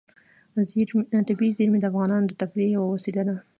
طبیعي زیرمې د افغانانو د تفریح یوه وسیله ده.